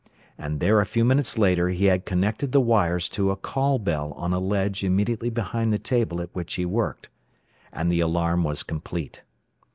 And there a few minutes later he had connected the wires to a call bell on a ledge immediately behind the table at which he worked. And the alarm was complete.